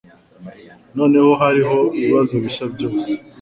Noneho hariho ibibazo bishya byose.